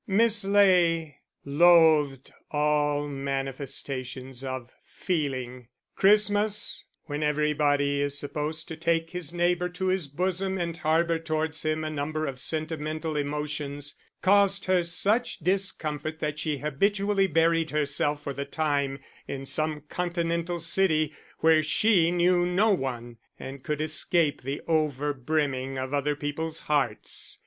Miss Ley loathed all manifestations of feeling. Christmas, when everybody is supposed to take his neighbour to his bosom and harbour towards him a number of sentimental emotions, caused her such discomfort that she habitually buried herself for the time in some continental city where she knew no one, and could escape the over brimming of other people's hearts.